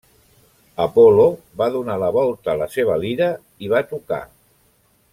Apol·lo va donar la volta a la seva lira i va tocar.